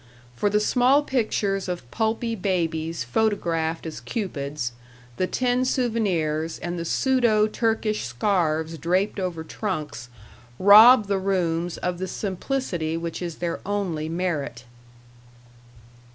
For the small pictures of pulpy babies photographed as cupids, the tin souvenirs and the pseudo Turkish scarves draped over trunks rob the rooms of the simplicity which is their only merit.